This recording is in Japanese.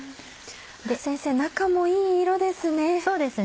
先生中もいい色ですね。